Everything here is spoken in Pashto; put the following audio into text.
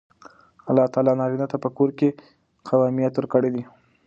الله تعالی نارینه ته په کور کې قوامیت ورکړی دی.